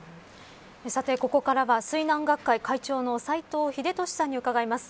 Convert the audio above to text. ここからは水難学会会長の斎藤秀俊さんに伺います。